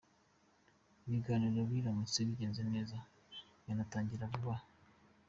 Ibiganiro biramutse bigenze neza yanatangira vuba aha.